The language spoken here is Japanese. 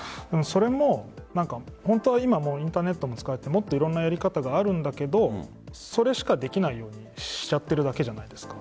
それも本当は今、インターネットも使えていろんなやり方があるんだけどそれしかできないようにしちゃってるわけじゃないですか。